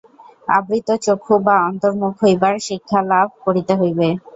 আবৃতচক্ষু বা অন্তর্মুখ হইবার শিক্ষালাভ করিতে হইবে।